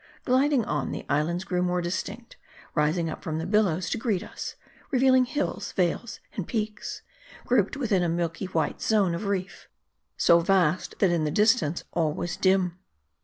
Gliding on, the islands grew more distinct ; rising up from the billows to greet us ; revealing hills, vales, and peaks, grouped within a milk white zone of reef, so vast, that in the distance all was dim.